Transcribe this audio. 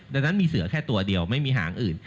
ดังนั้นมีเสือแค่ตัวเดียวไม่มีหางอื่น